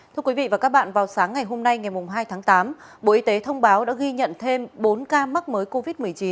thưa quý vị và các bạn vào sáng ngày hôm nay ngày hai tháng tám bộ y tế thông báo đã ghi nhận thêm bốn ca mắc mới covid một mươi chín